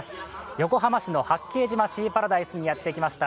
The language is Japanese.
横浜市の八景島シーパラダイスにやってきました。